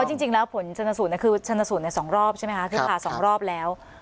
เพราะจริงแล้วผลชนสูตรคือชนสูตรในสองรอบใช่ไหมคะ